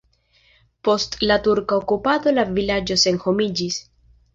Post la turka okupado la vilaĝo senhomiĝis.